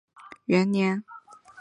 天正元年。